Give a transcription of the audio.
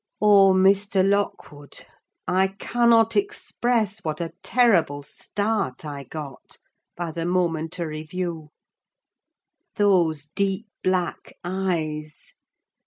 Oh, Mr. Lockwood, I cannot express what a terrible start I got by the momentary view! Those deep black eyes!